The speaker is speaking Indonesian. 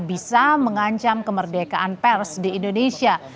bisa mengancam kemerdekaan pers di indonesia